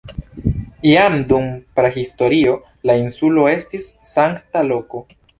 Jam dum prahistorio la insulo estis sankta loko.